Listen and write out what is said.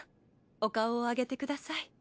お顔を上げてください。